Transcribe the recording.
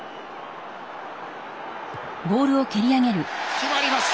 決まりました！